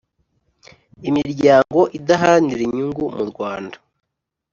imiryango idaharanira inyungu mu Rwanda